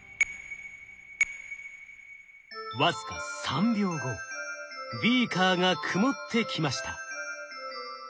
僅か３秒後ビーカーが曇ってきました。